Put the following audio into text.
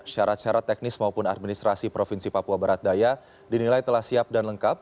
syarat syarat teknis maupun administrasi provinsi papua barat daya dinilai telah siap dan lengkap